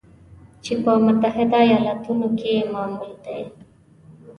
چې په متحده ایالاتو کې معمول دی